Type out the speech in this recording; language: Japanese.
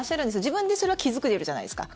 自分でそれは気付けるじゃないですか。